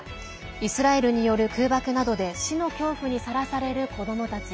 イスラエルによる空爆などで死の恐怖にさらされる子どもたち。